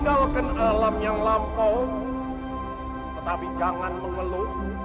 tinggalkan alam yang lampau tetapi jangan mengeluh